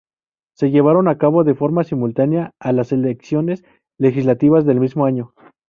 Se llevaron a cabo de forma simultánea a las elecciones legislativas del mismo año.